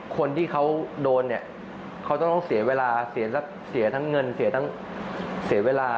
คนที่เขาโดนเนี่ยเขาต้องเสียเวลาเสียทั้งเงินเสียทั้งเสียเวลา